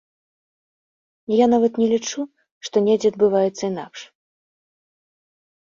Я нават не лічу, што недзе адбываецца інакш.